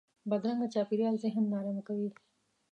بدرنګه چاپېریال ذهن نارامه کوي